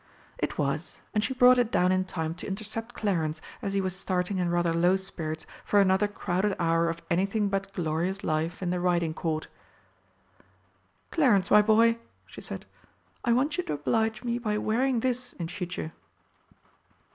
It was, and she brought it down in time to intercept Clarence as he was starting in rather low spirits for another crowded hour of anything but glorious life in the Riding Court. "Clarence, my boy," she said, "I want you to oblige me by wearing this in future."